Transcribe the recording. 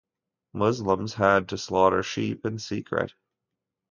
Muslims had to slaughter sheep in secret.